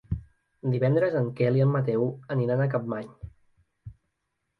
Divendres en Quel i en Mateu aniran a Capmany.